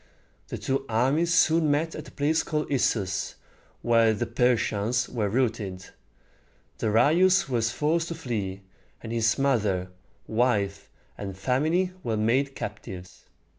The two armies soon met at a place called Is´sus, where the Persians were routed. Darius was forced to flee, and his mother, wife, and family were made captives.